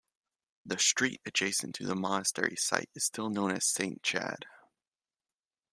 The street adjacent to the monastery site is still known as Saint Chad.